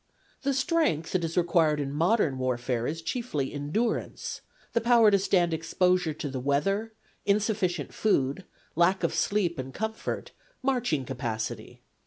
The strength that is required in modern warfare is chiefly endurance : the power to stand exposure to the weather, insufficient food, lack of sleep and comfort ; marching capacity.